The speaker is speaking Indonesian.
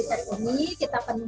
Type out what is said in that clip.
itu bisa dikonsumsi ketika makan utama